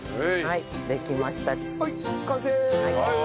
はい完成！